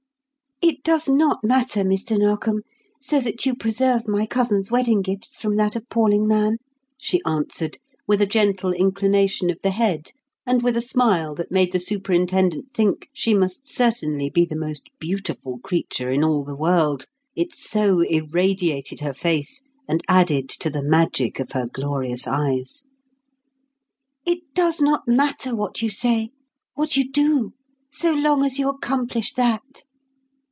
"It does not matter, Mr. Narkom, so that you preserve my cousin's wedding gifts from that appalling man," she answered with a gentle inclination of the head and with a smile that made the superintendent think she must certainly be the most beautiful creature in all the world, it so irradiated her face and added to the magic of her glorious eyes. "It does not matter what you say, what you do, so long as you accomplish that."